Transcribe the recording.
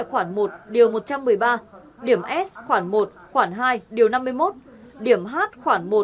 ờ một trăm năm mươi đô